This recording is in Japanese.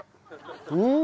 うん！